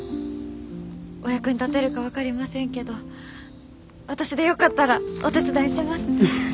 お役に立てるか分かりませんけど私でよかったらお手伝いします。